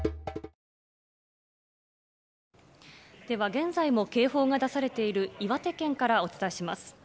では、現在も警報が出されている岩手県からお伝えします。